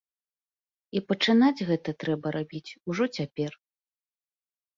І пачынаць гэта трэба рабіць ужо цяпер.